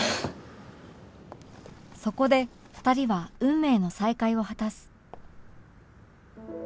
そこで２人は運命の再会を果たす